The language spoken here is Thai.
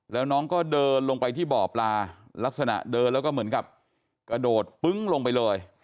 แล้วน้องก็เดินลงไปที่บ่อปลาลักษณะเดินแล้วก็เหมือนกับกระโดดปึ้งลงไปเลย